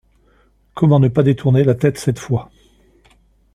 Comment ne pas détourner la tête cette fois?